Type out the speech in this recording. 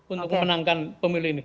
untuk memenangkan pemilih ini